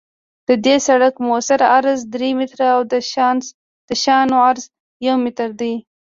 د دې سرک مؤثر عرض درې متره او د شانو عرض یو متر دی